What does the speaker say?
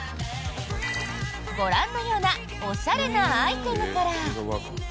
ご覧のようなおしゃれなアイテムから。